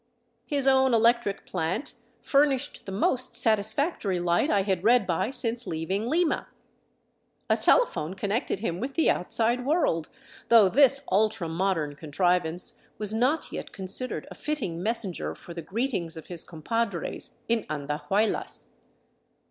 His own electric plant furnished the most satisfactory light I had read by since leaving Lima ; a tele phone connected him with the outside world — though this ultra modern contrivance was not yet considered a fitting messenger for the greetings of his compadres in Andahuaylas.